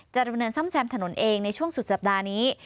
ดำเนินซ่อมแซมถนนเองในช่วงสุดสัปดาห์นี้